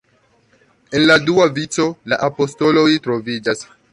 En la dua vico la apostoloj troviĝas.